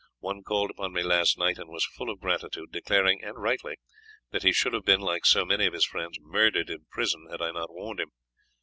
One called upon me last night and was full of gratitude, declaring, and rightly, that he should have been, like so many of his friends, murdered in prison had I not warned him.